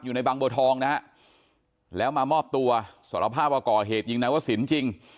ในบางบัวทองนะฮะแล้วมามอบตัวสารภาพว่าก่อเหตุยิงนายวศิลป์จริง